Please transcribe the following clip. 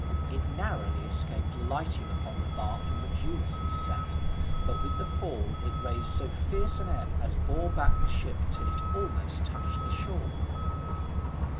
It narrowly escaped lighting upon the bark in which Ulysses sat, but with the fall it raised so fierce an ebb as bore back the ship till it almost touched the shore.